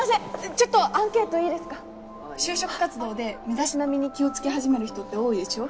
ちょっとアンケートいいで就職活動で身だしなみに気を付け始める人って多いでしょ？